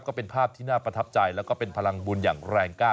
ก็เป็นภาพที่น่าประทับใจแล้วก็เป็นพลังบุญอย่างแรงก้าว